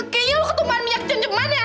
kayaknya lo ketumbuhan minyak cem cemen ya